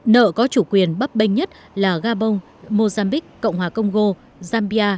nợ có chủ quyền bắp bênh nhất là gabon mozambique cộng hòa công gô zambia